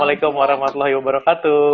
waalaikumsalam warahmatullahi wabarakatuh